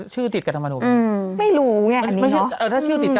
ชื่อติดกันมาดูอืมไม่รู้ไงอันนี้เนอะเออถ้าชื่อติดกัน